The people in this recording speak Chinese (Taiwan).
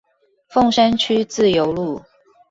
鳳山區自由路